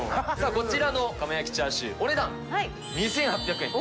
こちらの窯焼きチャーシュー、お値段２８００円。